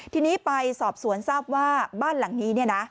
ทีนี้ไปสอบสวนทราบว่าบ้านหลังนี้